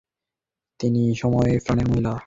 তিনি এই সময়ে ইসফাহানের মহিলা সমিতিও প্রতিষ্ঠা করেছিলেন।